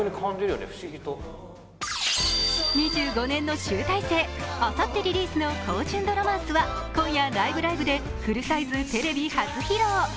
２５年の集大成、あさってリリースの「高純度ｒｏｍａｎｃｅ」は今夜「ライブ！ライブ！」でフルサイズテレビ初披露。